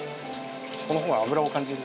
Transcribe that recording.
この方が脂を感じる。